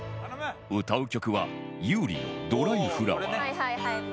歌う曲は優里の『ドライフラワー』